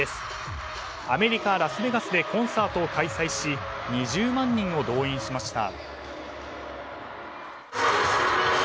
アメリカ・ラスベガスでコンサートを開催し２０万人を動員しました。